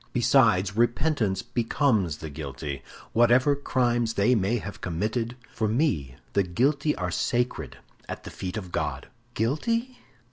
Besides, repentance becomes the guilty; whatever crimes they may have committed, for me the guilty are sacred at the feet of God!" "Guilty?